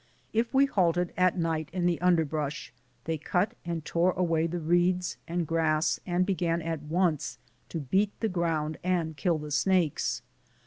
If we halted at night in the underbrush, they cut and tore away the reeds and grass, and began at once to beat the ground and kill the snakes.